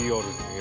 え！